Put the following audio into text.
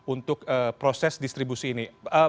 untuk proses distribusi ini